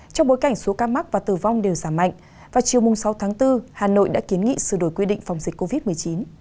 trong bối cảnh số ca mắc và tử vong đều giảm mạnh vào chiều sáu tháng bốn hà nội đã kiến nghị sửa đổi quy định phòng dịch covid một mươi chín